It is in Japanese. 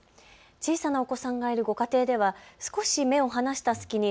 小さなお子さんがいるご家庭では少し目を離した隙に